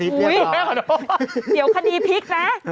เดี๋ยวคดีพลิกนะ